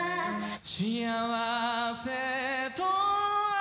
「幸せとは」